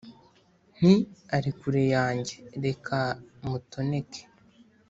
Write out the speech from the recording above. Nti " ari kure yanjye reka mutoneke ",